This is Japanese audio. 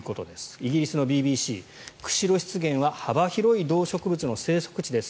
イギリスのＢＢＣ、釧路湿原は幅広い動植物の生息地です。